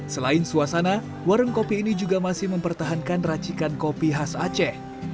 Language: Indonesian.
selain suasana warung kopi ini juga masih mempertahankan racikan kopi khas aceh